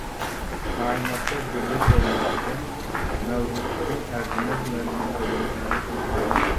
كائىناتتا بىرلىك بولمايدىكەن، مەۋجۇتلۇقۇڭ ئەرزىمەس نەرسىگە ئايلىنىپ قالىدۇ.